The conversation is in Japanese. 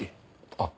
あっ。